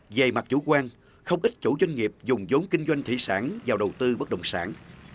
về mặt chủ quan không ít chủ doanh nghiệp dùng giống kinh doanh thủy sản vào đầu tư bất động sản